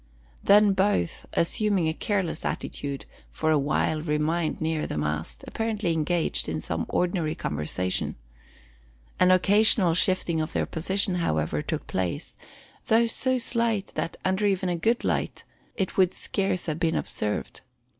Then both, assuming a careless attitude, for a while remained near the mast, apparently engaged in some ordinary conversation. An occasional shifting of their position, however, took place, though so slight that, even under a good light, it would scarce have been observed.